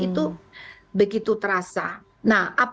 itu juga yang ringkati mengandung kutif